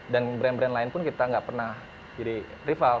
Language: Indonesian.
dan brand brand lain pun kita nggak pernah jadi rival